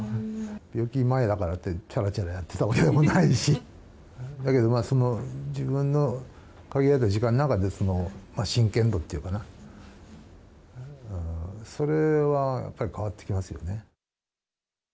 病気の前だからって、ちゃらちゃらやってたわけでもないし、だけどまあ、その自分の限られた時間の中で、真剣度っていうかな、それはやっぱり変わってきますよね。